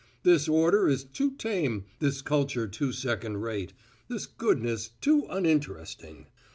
This order is too tame, this culture too second rate, this goodness too uninteresting.